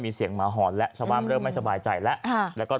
มีเสียงหมาหอนแล้วชาวบ้านเริ่มไม่สบายใจแล้วแล้วก็